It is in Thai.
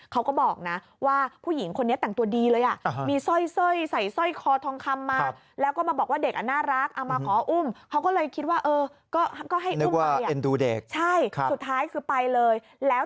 เขาก็บอกว่าผู้หญิงคนนี้ต่างตัวดีเลย